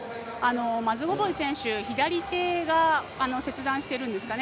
マズゴボイ選手、左手が切断しているんですかね